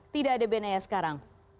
tidak ada benaya sekarang